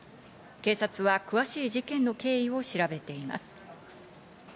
警察は詳しい事件の経緯を調べています。